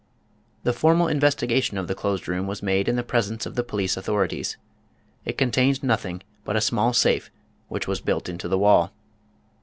The formal investigation of the closed room was made in the presence of the police authorities. It contained noth ing but a small safe which was built into the wall.